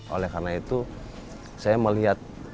oleh karena itu saya melihat